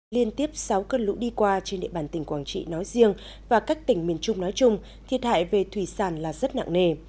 liên tiếp sáu cơn lũ đi qua trên địa bàn tỉnh quảng trị nói riêng và các tỉnh miền trung nói chung thiệt hại về thủy sản là rất nặng nề